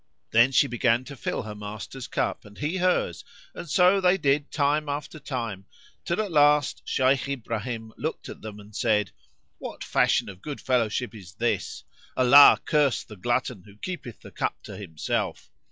Then she began to fill her master's cup and he hers and so they did time after time, till at last Shaykh Ibrahim looked at them; and said, "What fashion of good fellowship is this? Allah curse the glutton who keepeth the cup to himself!